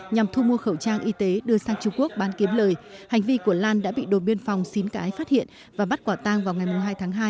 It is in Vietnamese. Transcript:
nhằm thu mua khẩu trang y tế đưa sang trung quốc bán kiếm lời hành vi của lan đã bị đồn biên phòng xín cái phát hiện và bắt quả tang vào ngày hai tháng hai